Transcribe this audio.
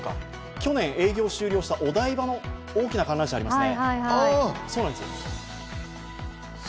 去年映像を終了したお台場の大きな観覧車ありますよね。